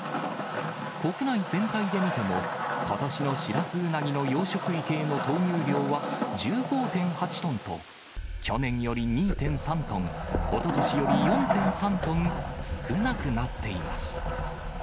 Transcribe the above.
国内全体で見ても、ことしのしらすうなぎの養殖池への投入量は、１５．８トンと、去年より２．３トン、おととしより４．３トン少なくなっています。